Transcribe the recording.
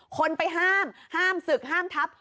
คนไปห้ามห้ามศึกห้ามทับ